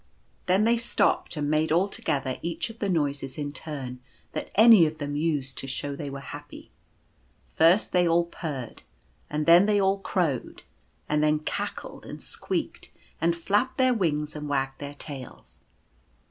Then they stopped and made all together each of the noises in turn that any of them used to show they were happy. First they all purred, and then they all crowed, and then cackled, and squeaked, and flapped their wings and wagged their tails.